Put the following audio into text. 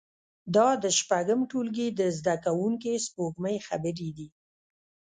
دا د شپږم ټولګي د زده کوونکې سپوږمۍ خبرې دي